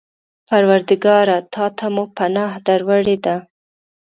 پروردګاره! تا ته مو پناه در وړې ده.